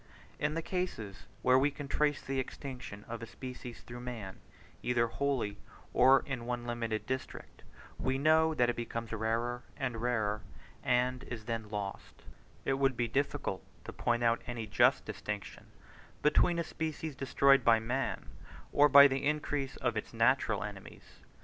In the cases where we can trace the extinction of a species through man, either wholly or in one limited district, we know that it becomes rarer and rarer, and is then lost: it would be difficult to point out any just distinction between a species destroyed by man or by the increase of its natural enemies.